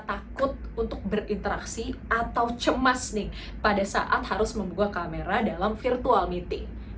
takut untuk berinteraksi atau cemas nih pada saat harus membuka kamera dalam virtual meeting